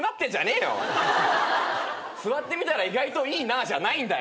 座ってみたら意外といいなじゃないんだよ。